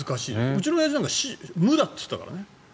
うちのおやじなんかは無だって言ったからね。